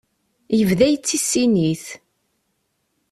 Yebda yettissin-it.